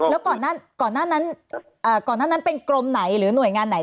แล้วก่อนหน้านั้นเป็นกรมไหนหรือหน่วยงานไหน